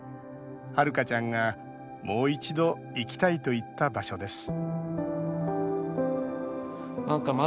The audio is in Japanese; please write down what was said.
はるかちゃんが「もう一度、行きたい」と言った場所です